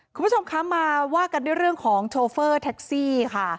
คุณผู้ชมคะมาว่ากันด้วยเรื่องของโชเฟอร์แท็กซี่ค่ะ